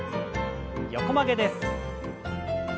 横曲げです。